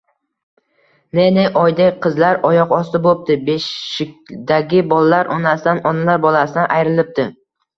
Ne-ne oydek qizlar oyoqosti bo‘pti, beshikdagi bolalar onasidan, onalar bolasidan ayrilibdi.